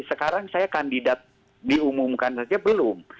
sekarang saya kandidat diumumkan saja belum